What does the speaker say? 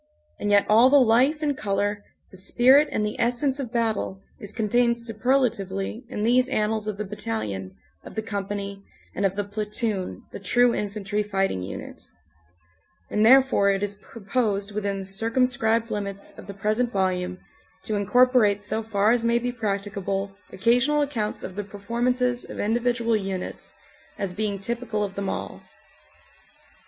And yet all the life and color, the spirit and the essence of battle is contained super latively in these annals of the battalion, of the company, and of the platoon the true infantry fighting unit; and therefore it is proposed within the circumscribed limits of the present volume to incorporate so far as may be practicable occasional accounts of the performances of individual units, as being typical of them all.